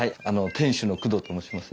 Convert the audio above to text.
店主の工藤と申します。